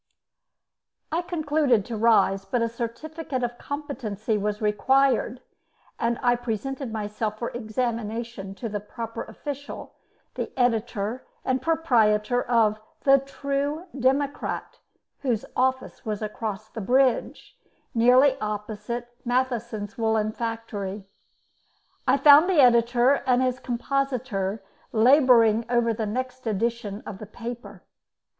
I concluded to rise, but a certificate of competency was required, and I presented myself for examination to the proper official, the editor and proprietor of 'The True Democrat' whose office was across the bridge, nearly opposite Matheson's woollen factory. I found the editor and his compositor labouring over the next edition of the paper.